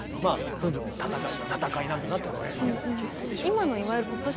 「フン族の戦い」は戦いなんだなって分かるしね。